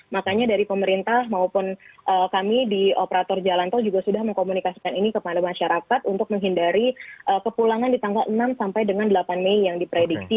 makanya dari pemerintah maupun kami di operator jalan tol juga sudah mengkomunikasikan ini kepada masyarakat untuk menghindari kepulangan di tanggal enam sampai dengan delapan mei yang diprediksi